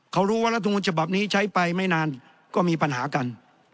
เขารู้ว่ารัฐมนต์ฉบับนี้ใช้ไปไม่นานก็มีปัญหากัน